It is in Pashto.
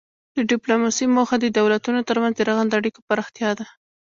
د ډیپلوماسي موخه د دولتونو ترمنځ د رغنده اړیکو پراختیا ده